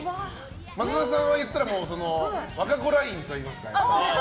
松田さんは言ったら和歌子ラインといいますか。